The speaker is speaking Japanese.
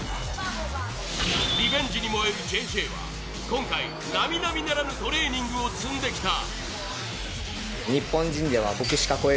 リベンジに燃えるＪＪは今回、なみなみならぬトレーニングを積んできた。